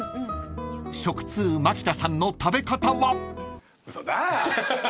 ［食通マキタさんの食べ方は］